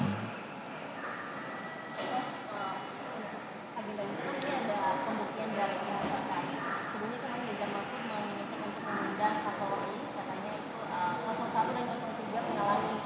bagaimana menurut anda agenda ini seperti ada pembuktian dari yang berkaitan